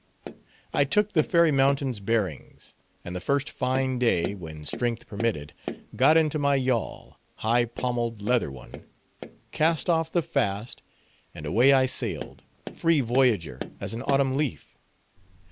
I took the fairy mountain's bearings, and the first fine day, when strength permitted, got into my yawl—high pommeled, leather one—cast off the fast, and away I sailed, free voyager as an autumn leaf.